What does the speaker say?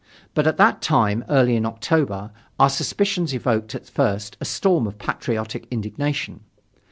But at that time, early in October, our suspicions evoked at first a storm of patriotic indignation.